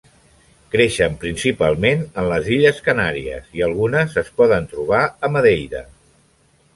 Creixen principalment en les Illes Canàries i algunes es poden trobar a Madeira.